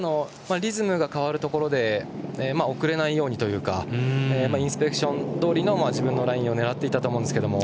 リズムが変わるところで遅れないようにというかインスペクションどおりの自分のラインを狙っていたと思いますが。